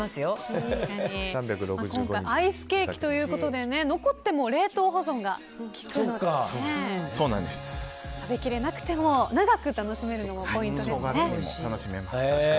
アイスケーキということで残っても冷凍保存が効くので食べきれなくても長く楽しめるのもポイントですね。